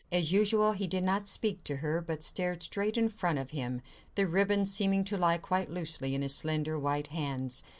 As usual, he did not speak to her, but stared straight in front of him, the ribbons seeming to lie quite loosely in his slender, white hands.